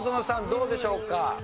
どうでしょうか？